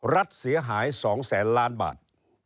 รัฐเสียหาย๒แสนล้านบาท